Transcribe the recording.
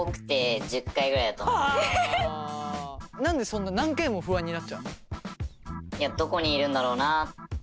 何でそんな何回も不安になっちゃうの？